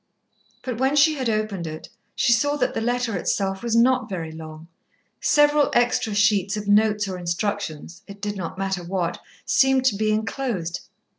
But when she had opened it, she saw that the letter itself was not very long. Several extra sheets of notes or instructions, it did not matter what, seemed to be enclosed.